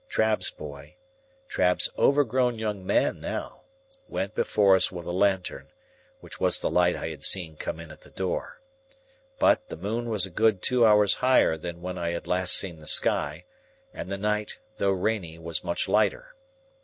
Trabb's boy—Trabb's overgrown young man now—went before us with a lantern, which was the light I had seen come in at the door. But, the moon was a good two hours higher than when I had last seen the sky, and the night, though rainy, was much lighter.